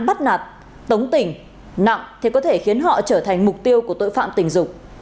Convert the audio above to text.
phát nạt tống tình nặng thì có thể khiến họ trở thành mục tiêu của tội phạm tình dục